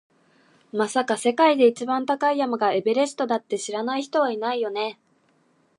まさか、世界で一番高い山がエベレストだって知らない人はいないよね？